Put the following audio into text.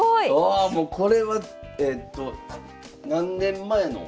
わこれはえっと何年前の？